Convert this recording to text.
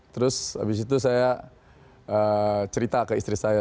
terus habis itu saya cerita ke istri saya